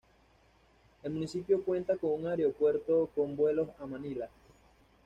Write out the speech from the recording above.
El municipio cuenta con un aeropuerto con vuelos a Manila.